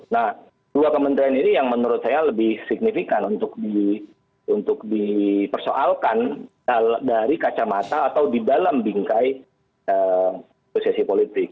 nah dua kementerian ini yang menurut saya lebih signifikan untuk dipersoalkan dari kacamata atau di dalam bingkai posisi politik